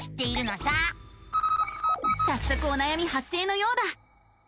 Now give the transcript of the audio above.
さっそくおなやみ発生のようだ。